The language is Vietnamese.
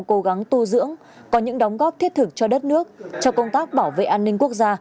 cố gắng tu dưỡng có những đóng góp thiết thực cho đất nước cho công tác bảo vệ an ninh quốc gia